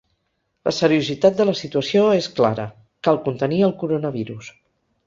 La seriositat de la situació és clara: cal contenir el coronavirus.